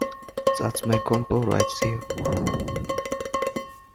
That's my combo right ther.